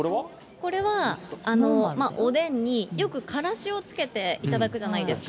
これは、おでんによくからしをつけて頂くじゃないですか。